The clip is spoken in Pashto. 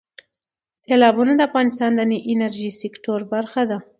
سیلابونه د افغانستان د انرژۍ سکتور برخه ده.